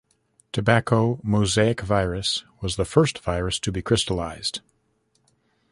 Tobacco mosaic virus was the first virus to be crystallized.